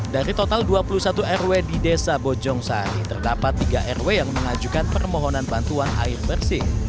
dari total dua puluh satu rw di desa bojong sari terdapat tiga rw yang mengajukan permohonan bantuan air bersih